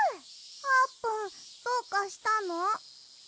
あーぷんどうかしたの？